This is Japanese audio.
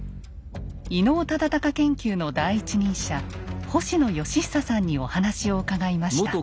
伊能忠敬研究の第一人者星埜由尚さんにお話を伺いました。